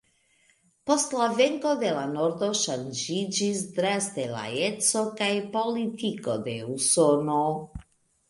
Post la venko de la nordo ŝanĝiĝis draste la eco kaj politiko de Usono.